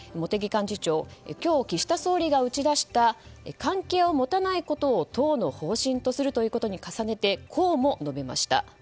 今日、岸田総理が打ち出した関係を持たないことを党の方針とすることに重ねて、こうも述べました。